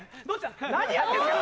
何やってんすか？